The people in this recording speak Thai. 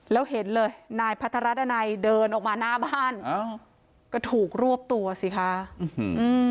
แล้วเห็นเลยนายพัทรดันัยเดินออกมาหน้าบ้านอ้าวก็ถูกรวบตัวสิคะอื้อหือ